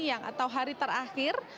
atau hari terakhir